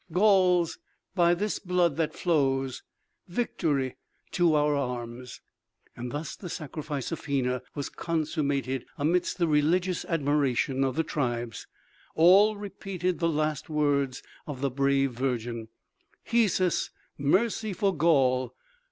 "Gauls, by this blood that flows, victory to our arms!" Thus the sacrifice of Hena was consummated amidst the religious admiration of the tribes. All repeated the last words of the brave virgin: "Hesus, mercy for Gaul!...